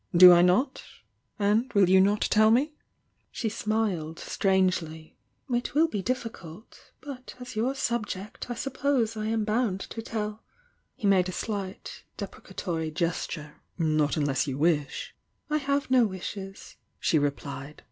"Do I not? And will you not tell me?" She smiled strangely. "It will be difiicult. But as your 'subject' I sup pose I am bound to tell " He made a slight, deprecatory gesture. "Not unless you wish." "I have no wishes," dio replied.